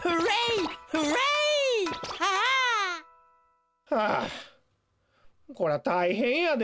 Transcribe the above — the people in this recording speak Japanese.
Ｈａｈａ！はあこりゃたいへんやで。